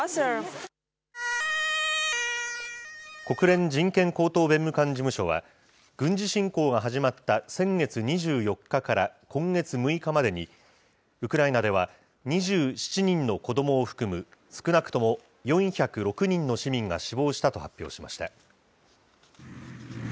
国連人権高等弁務官事務所は、軍事侵攻が始まった先月２４日から今月６日までに、ウクライナでは、２７人の子どもを含む、少なくとも４０６人の市民が死亡したと発表しました。